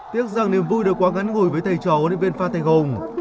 tiếc rằng niềm vui đều quá ngắn ngủi với thầy trò huấn luyện viên pha thầy hùng